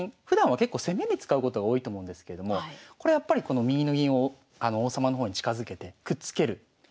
ふだんは結構攻めに使うことが多いと思うんですけれどもこれやっぱりこの右の銀を王様の方に近づけてくっつける。